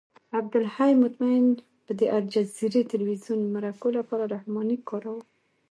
عبدالحی مطمئن به د الجزیرې تلویزیون مرکو لپاره رحماني کاراوه.